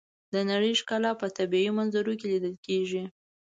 د نړۍ ښکلا په طبیعي منظرو کې لیدل کېږي.